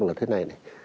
là thế này này